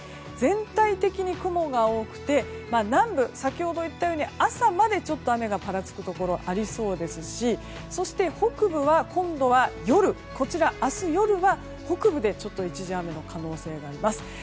全体的に雲が多くて南部先ほど言ったように朝まで雨がぱらつくところがありそうですし北部は今度は明日夜は北部で一時、雨の可能性があります。